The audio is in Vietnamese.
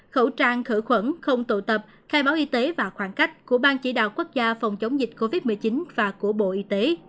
khẩu trang khử khuẩn không tụ tập khai báo y tế và khoảng cách của bang chỉ đạo quốc gia phòng chống dịch covid một mươi chín và của bộ y tế